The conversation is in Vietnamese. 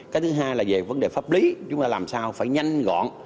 cái thứ hai là về vấn đề pháp lý chúng ta làm sao phải nhanh gọn